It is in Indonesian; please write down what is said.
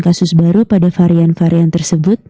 kasus baru pada varian varian tersebut